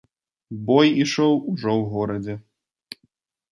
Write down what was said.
Бой ішоў ужо ў горадзе.